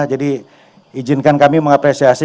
jadi izinkan kami mengapresiasi